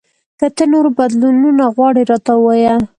که ته نور بدلونونه غواړې، راته ووایه !